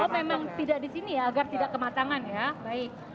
memang tidak di sini ya agar tidak kematangan ya baik